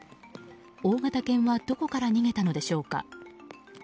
大型犬はどこから逃げたのでしょうか。